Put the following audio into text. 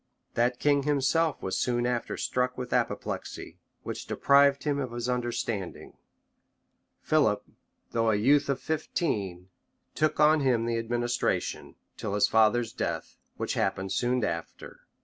That king himself was soon after struck with an apoplexy, which deprived him of his understanding: Philip though a youth of fifteen, took on him the administration, till his father's death, which happened soon after, {1180.